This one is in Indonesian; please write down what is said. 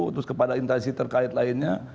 terus kepada intansi terkait lainnya